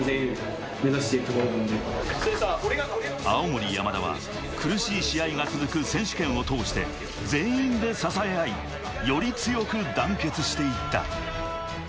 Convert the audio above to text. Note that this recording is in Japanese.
青森山田は苦しい試合が続く選手権を通して、全員で支え合い、より強く団結していた。